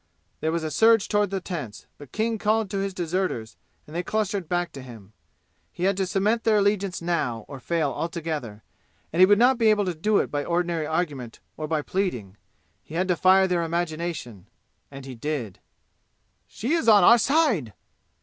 There was a surge toward the tents, but King called to his deserters and they clustered back to him. He had to cement their allegiance now or fail altogether, and he would not be able to do it by ordinary argument or by pleading; he had to fire their imagination. And he did. "She is on our side!"